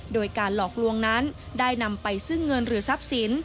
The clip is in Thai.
โดยการหลอกลวงนั้นได้นำไปซึ่งเงินหรือทรัพย์สิน